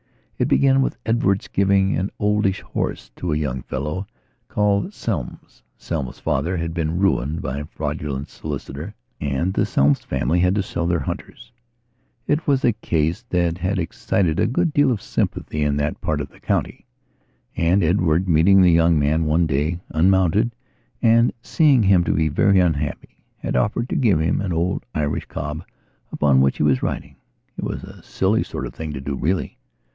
It began with Edward's giving an oldish horse to a young fellow called Selmes. Selmes' father had been ruined by a fraudulent solicitor and the Selmes family had had to sell their hunters. It was a case that had excited a good deal of sympathy in that part of the county. And Edward, meeting the young man one day, unmounted, and seeing him to be very unhappy, had offered to give him an old Irish cob upon which he was riding. It was a silly sort of thing to do really.